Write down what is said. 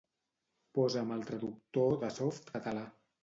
Posa'm el Traductor de Softcatalà.